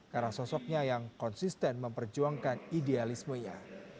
karena sosoknya yang konsisten memperjuangkan idealismenya